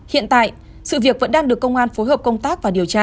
hiện tại sự việc vẫn đang được công an phối hợp công tác và điều tra